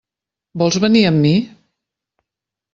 Vols venir amb mi?